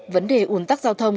vấn đề ủn tắc giao thông